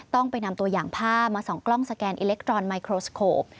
ต้องไปนำตัวอย่างผ้ามาส่องกล้องสแกนอิเล็กทรอนไมโครสโขป